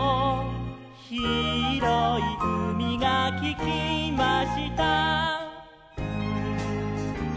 「ひろいうみがききました」